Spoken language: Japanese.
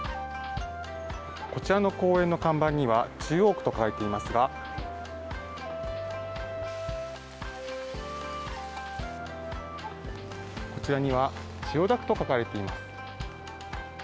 こちらの公園の看板には中央区と書いていますが、こちらには千代田区と書かれています。